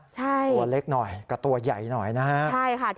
ตัวเล็กหน่อยกับตัวใหญ่หน่อยนะครับ